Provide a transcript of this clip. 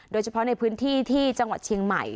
โดยเฉพาะในพื้นที่ที่จังหวัดเชียงใหม่